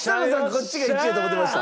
こっちが１位やと思うてました？